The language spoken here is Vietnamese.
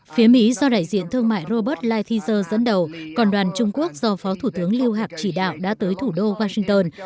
phía mỹ do đại diện thương mại robert lighthizer dẫn đầu còn đoàn trung quốc do phó thủ tướng liu hạc chỉ đạo đã tới thủ đô washington